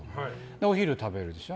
お昼食べるでしょ。